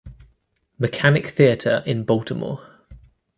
Mechanic Theatre in Baltimore.